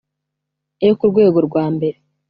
yo ku rwego rwa mbere